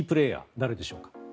誰でしょうか？